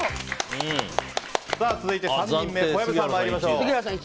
続いて３人目小籔さん、参りましょう。